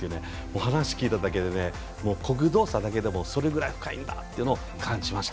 話を聞いただけでこぐ動作だけでもそれぐらい深いんだと感じました。